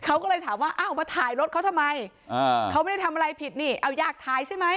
เขาก็เลยถามว่าอ้าวมาถ่ายรถเขาทำไมอ่าเขาไม่ได้ทำอะไรผิดนี่เอายากถ่ายใช่ไหม